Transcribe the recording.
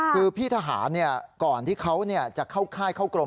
คือพี่ทหารก่อนที่เขาจะเข้าค่ายเข้ากรม